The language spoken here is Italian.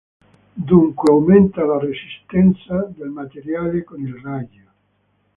Dunque aumenta la resistenza del materiale con il raggio.